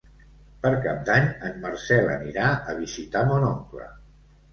Per Cap d'Any en Marcel anirà a visitar mon oncle.